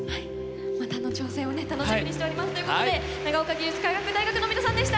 またの挑戦を楽しみにしておりますということで長岡技術科学大学の皆さんでした！